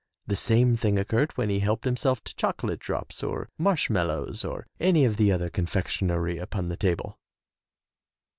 The same thing occurred when he helped himself to chocolate drops or marsh mallows or any of the other confectionery upon the table.